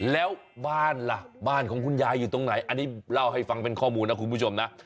แล้วบ้านล่ะบ้านของคุณยายอยู่ตรงไหนอันนี้เล่าให้ฟังเป็นข้อมูลนะคุณผู้ชมนะ